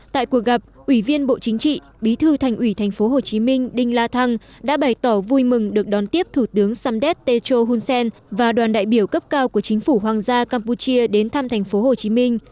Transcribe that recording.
tại cuộc gặp ủy viên bộ chính trị bí thư thành ủy thành phố hồ chí minh đinh la thăng đã bày tỏ vui mừng được đón tiếp thủ tướng samdet techo hunsen và đoàn đại biểu cấp cao của chính phủ hoàng gia campuchia đến thăm thành phố hồ chí minh